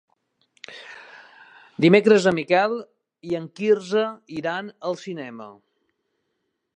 Dimecres en Miquel i en Quirze iran al cinema.